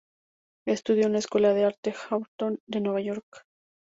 Estudió en la Escuela de Arte Hawthorne de Nueva York.